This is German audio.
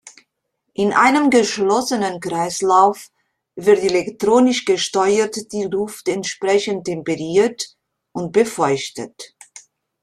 In einem geschlossenen Kreislauf wird elektronisch gesteuert die Luft entsprechend temperiert und befeuchtet.